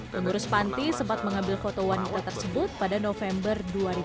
pengurus panti sempat mengambil foto wanita tersebut pada november dua ribu dua puluh